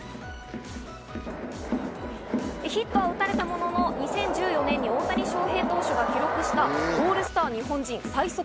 ヒットは打たれたものの、２０１４年に大谷翔平投手が記録したオールスター日本人最速